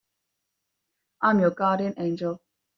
I'm your guardian angel.